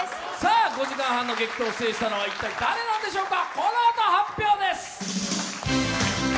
５時間半の激闘を制したのは、一体誰なんでしょうか。